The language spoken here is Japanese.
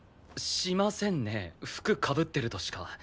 しませんね服かぶってるとしか。